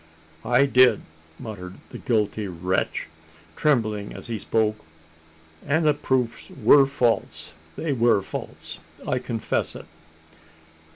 "I did," muttered the guilty wretch, trembling as he spoke. "An' the proofs wur false!" "They were false I confess it."